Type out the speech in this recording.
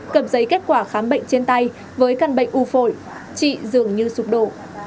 cầm giấy kết quả khám bệnh trên tay với căn bệnh u phổi chị dường như sụp đổ